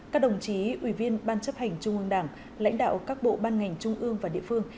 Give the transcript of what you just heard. các đồng chí ủy viên ban chấp hành trung ương đảng lãnh đạo các bộ ban ngành trung ương và địa phương